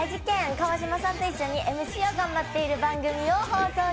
川島さんと一緒にＭＣを頑張っている番組です。